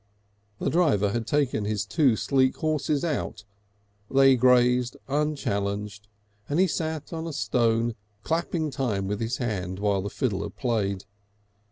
The driver had taken his two sleek horses out; they grazed unchallenged; and he sat on a stone clapping time with his hands while the fiddler played.